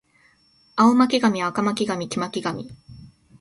青巻紙赤巻紙黄巻紙